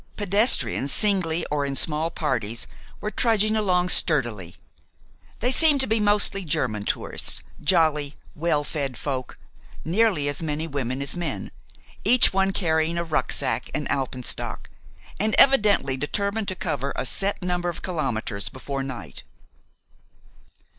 Pedestrians, singly or in small parties, were trudging along sturdily. They seemed to be mostly German tourists, jolly, well fed folk, nearly as many women as men, each one carrying a rucksack and alpenstock, and evidently determined to cover a set number of kilometers before night.